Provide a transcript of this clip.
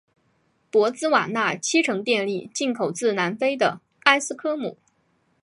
博茨瓦纳七成电力进口自南非的埃斯科姆。